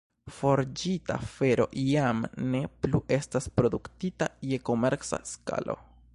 Forĝita fero jam ne plu estas produktita je komerca skalo.